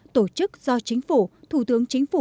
tổ chức do chính phủ thủ tướng chính phủ